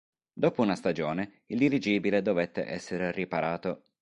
Dopo una stagione il dirigibile dovette essere riparato.